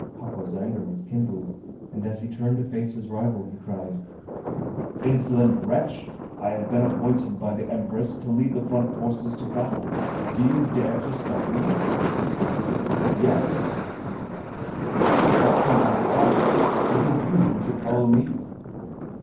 Hako's anger was kindled, and as he turned to face his rival he cried: "Insolent wretch! I have been appointed by the Empress to lead the front forces to battle. Do you dare to stop me?" "Yes," answered Eiko. "I ought to lead the army. It is you who should follow me."